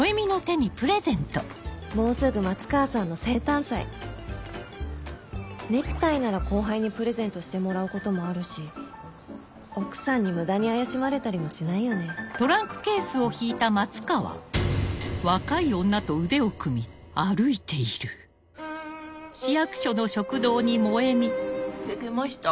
もうすぐ松川さんの生誕祭ネクタイなら後輩にプレゼントしてもらうこともあるし奥さんに無駄に怪しまれたりもしないよね聞きました？